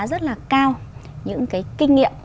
rất là cao những kinh nghiệm